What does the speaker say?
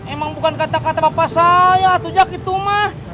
emang bukan kata kata bapak saya atau jak itu mah